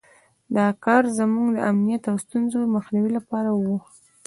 دا کار زموږ د امنیت او د ستونزو مخنیوي لپاره وو.